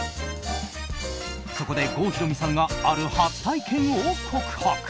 そこで、郷ひろみさんがある初体験を告白。